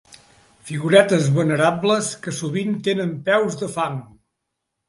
Figuretes venerables que sovint tenen peus de fang.